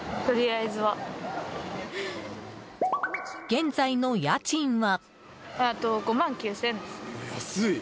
現在の家賃は。